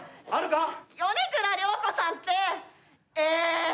米倉涼子さんってえー。